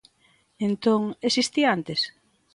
Entón, ¿existía antes?